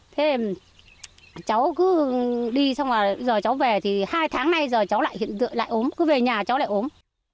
thế cháu cứ đi xong rồi giờ cháu về thì hai tháng nay giờ cháu lại ốm cứ về nhà cháu lại ốm